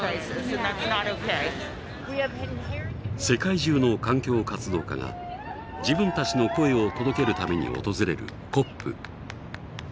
世界中の環境活動家が自分たちの声を届けるために訪れるＣＯＰ。